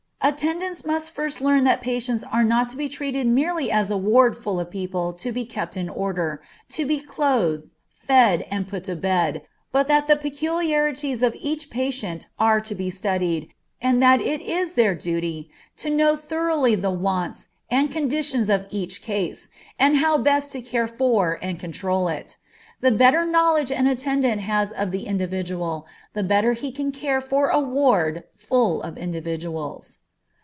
Attendants must first learn that patients are not to be treated merely as a ward full of people to be kept in order, to be clothed, fed, and put to bed, but that the peculiarities of each patient are to be studied, and that it is their duty to know thoroughly the wants, and condition of each case, and how best to care for and control it. The better knowledge an attendant has of the individual, the better he can care for a ward full of individuals.